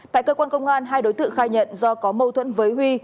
tại cơ quan công an hai đối tượng khai nhận do có mâu thuẫn với huy